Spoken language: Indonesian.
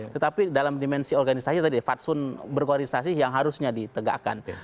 tetapi dalam dimensi organisasi tadi fatsun berkoordinasi yang harusnya ditegakkan